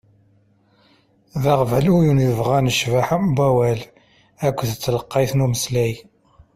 D aɣbalu i win yebɣan ccbaḥa n wawal akked telqayt n umeslay.